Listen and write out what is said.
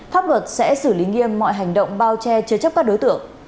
pháp luật sẽ xử lý nghiêm mọi hành động bao che chứa chấp các đối tượng